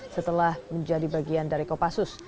setelah menjadi bagian dari kopassus